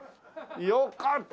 よかった！